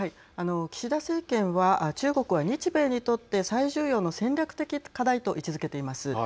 岸田政権は中国は日米にとって最重要の戦略的課題と位置づけています。